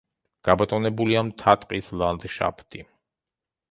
გაბატონებულია მთა-ტყის ლანდშაფტი.